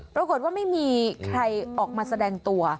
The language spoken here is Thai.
ปรากฏว่าไม่มีใครออกมาแสดงตัว